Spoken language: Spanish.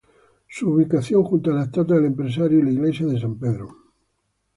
Su ubicación, junto a la estatua del empresario y la iglesia de San Pedro.